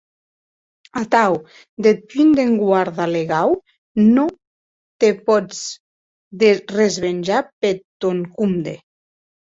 Atau, deth punt d’enguarda legau, non te pòs resvenjar peth tòn compde.